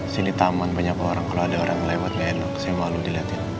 sini taman banyak orang kalo ada orang yang lewat ga enak saya malu diliatin